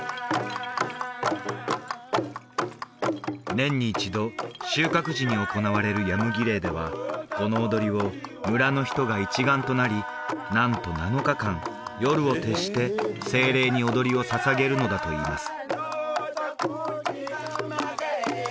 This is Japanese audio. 年に一度収穫時に行われるヤム儀礼ではこの踊りを村の人が一丸となりなんと７日間夜を徹して精霊に踊りを捧げるのだといいます